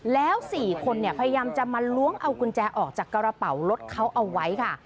แล้ว๔คนพยายามจะมาล้วงเอากุญแจออกจากกระเป๋ารถเขาเอาไว้ค่ะ